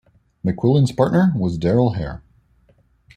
McQuillan's partner was Darrell Hair.